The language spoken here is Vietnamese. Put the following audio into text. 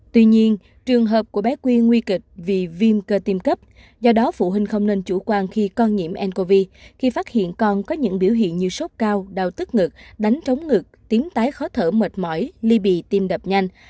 tuy nhiên trường hợp của bé quy nguy kịch vì viêm cơ tim cấp do đó phụ huynh không nên chủ quan khi con nhiễm ncov khi phát hiện con có những biểu hiện như sốt cao đau tức ngực đánh trống ngực tiếng tái khó thở mệt mỏi ly bị tim đập nhanh